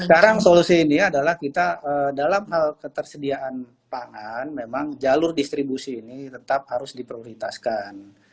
sekarang solusi ini adalah kita dalam hal ketersediaan pangan memang jalur distribusi ini tetap harus diprioritaskan